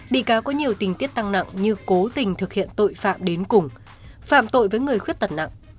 bị cáo có nhiều tình tiết tăng nặng như cố tình thực hiện tội phạm đến cùng phạm tội với người khuyết tật nặng